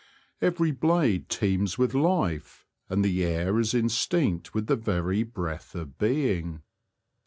Every blade teems with life, and the air is in stinct with the very breath of being.